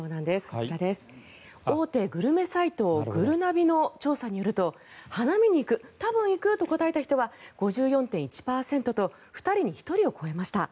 こちら、大手グルメサイトぐるなびの調査によりますと花見に行く・多分行くと答えた人は５４．１％と２人に１人を超えました。